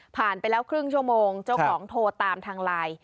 ไปแล้วครึ่งชั่วโมงเจ้าของโทรตามทางไลน์